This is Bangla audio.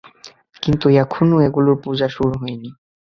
কিন্তু তখনও এগুলোর পূজা শুরু হয়নি।